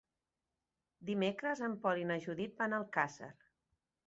Dimecres en Pol i na Judit van a Alcàsser.